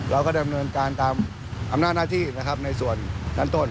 เราก็ดำเนินการตามอำนาจหน้าที่นะครับในส่วนชั้นต้น